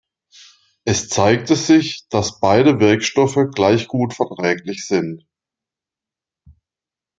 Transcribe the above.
Es zeigte sich, dass beide Wirkstoffe gleich gut verträglich sind.